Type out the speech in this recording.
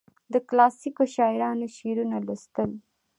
د کلاسیکو شاعرانو شعرونه لوستل.